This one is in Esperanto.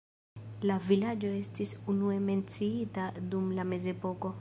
La vilaĝo estis unue menciita dum la mezepoko.